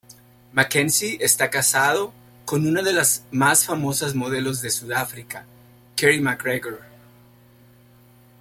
McKenzie está casado con una de las más famosas modelos de Sudáfrica, Kerry McGregor.